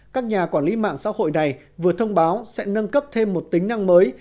các nhà quản lý mạng xã hội này vừa thông báo sẽ nâng cấp thêm một tính năng mới